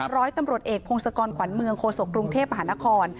ร้อยตำรวจเอกพงศกรขวัญเมืองโฆษกรุงเทพมหานคร